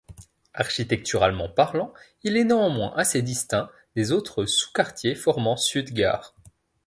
Architecturalement parlant, il est néanmoins assez distinct des autres sous-quartiers formant Sud-Gare.